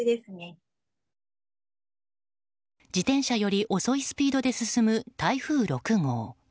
自転車より遅いスピードで進む台風６号。